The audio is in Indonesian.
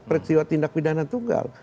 peristiwa tindak pidana tunggal